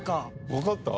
わかった？